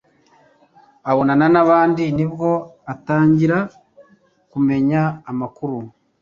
abonana n'abandimnibwo atangira kumenya amakuru